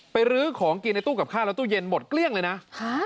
ลื้อของกินในตู้กับข้าวแล้วตู้เย็นหมดเกลี้ยงเลยนะ